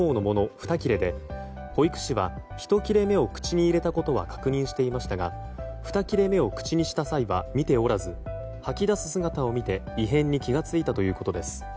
２切れで保育士は、１切れ目を口に入れたことは確認していましたが２切れ目を口にした際は見ておらず吐き出す姿を見て異変に気が付いたということです。